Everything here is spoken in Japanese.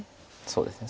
そうですね。